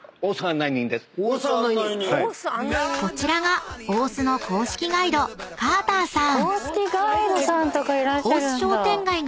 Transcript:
［こちらが大須の公式ガイドカーターさん］